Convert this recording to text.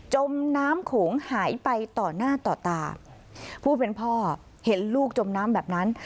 จมน้ำโขงหายไปต่อหน้าต่อตาผู้เป็นพ่อเห็นลูกจมน้ำแบบนั้น